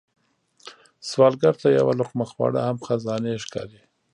سوالګر ته یو لقمه خواړه هم خزانې ښکاري